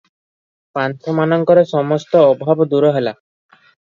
ପାନ୍ଥମାନଙ୍କର ସମସ୍ତ ଅଭାବ ଦୂର ହେଲା ।